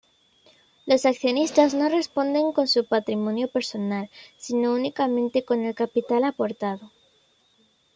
Los accionistas no responden con su patrimonio personal, sino únicamente con el capital aportado.